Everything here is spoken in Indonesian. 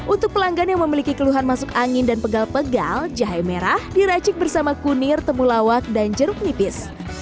untuk pelanggan yang memiliki keluhan masuk angin dan pegal pegal jahe merah diracik bersama kunir temulawak dan jeruk nipis